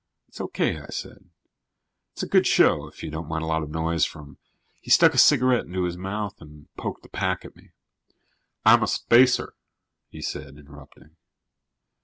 "It's okay," I said. "It's a good show if you don't mind a lot of noise from " He stuck a cigarette into his mouth and poked the pack at me. "I'm a spacer," he said, interrupting.